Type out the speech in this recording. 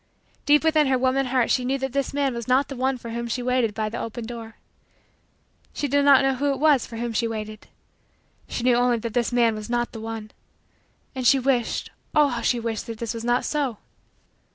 Deep within her woman heart she knew that this man was not the one for whom she waited by the open door. She did not know who it was for whom she waited. She knew only that this man was not the one. And she wished oh, how she wished that this was not so.